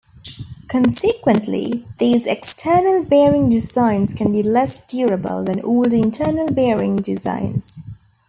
Consequently, these external bearing designs can be less durable than older internal bearing designs.